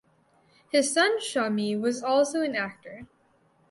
His son Shammi was also an actor.